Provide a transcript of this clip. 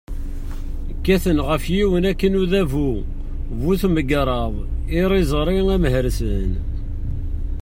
Kkaten ɣef yiwen akken udabu bu-tmegraḍ, iriẓri, amhersan.